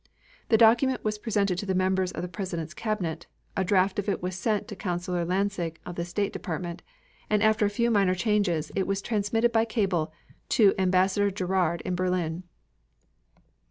The document was presented to the members of the President's Cabinet, a draft of it was sent to Counselor Lansing of the State Department, and after a few minor changes, it was transmitted by cable to Ambassador Gerard in Berlin.